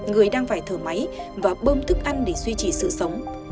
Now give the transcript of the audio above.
người đang phải thở máy và bơm thức ăn để duy trì sự sống